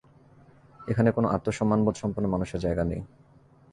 এখানে কোনো আত্মসম্মানবোধ সম্পন্ন মানুষের জায়গা নেই।